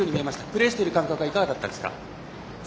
プレーしている感覚はいかがでしたか。